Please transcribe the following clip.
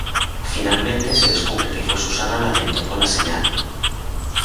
Finalmente, se descubre que fue Susana la que entonó la señal.